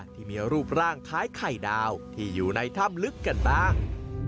ที่มีรูปร่างคล้ายไข่ดาวที่อยู่ในถ้ำลึกกันบ้าง